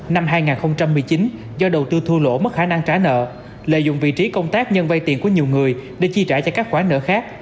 năm hai nghìn một mươi chín do đầu tư thua lỗ mất khả năng trả nợ lợi dụng vị trí công tác nhân vay tiền của nhiều người để chi trả cho các khoản nợ khác